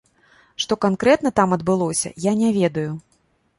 Што канкрэтна там адбылося, я не ведаю.